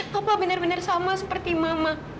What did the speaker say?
bapak benar benar sama seperti mama